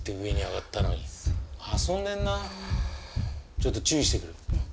ちょっと注意してくる！